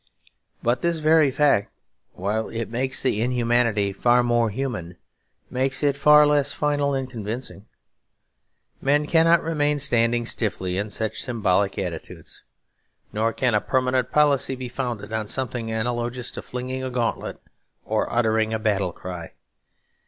But this very fact, while it makes the inhumanity far more human, makes it far less final and convincing. Men cannot remain standing stiffly in such symbolical attitudes; nor can a permanent policy be founded on something analogous to flinging a gauntlet or uttering a battle cry.